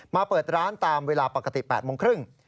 เปิดร้านตามเวลาปกติ๘โมงครึ่ง